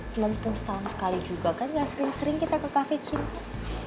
menempuh setahun sekali juga kan gak sering sering kita ke cafe cinta